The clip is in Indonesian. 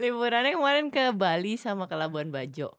liburannya kemarin ke bali sama ke labuan bajo